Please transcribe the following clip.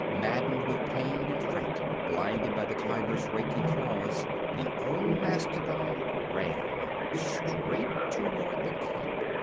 Maddened with pain and fright, blinded by the tiger's raking claws, the old mastodon ran straight toward the camp.